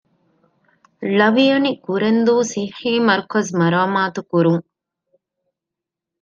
ޅ. ކުރެންދޫ ޞިއްޙީމަރުކަޒު މަރާމާތުކުރުން